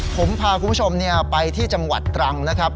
ผมพาคุณผู้ชมไปที่จังหวัดตรังนะครับ